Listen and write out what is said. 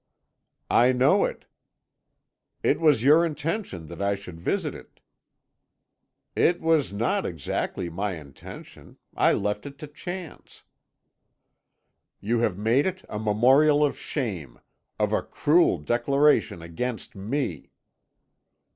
"'I know it.' "'It was your intention that I should visit it.' "'It was not exactly my intention; I left it to chance.' "'You have made it a memorial of shame, of a cruel declaration against me!'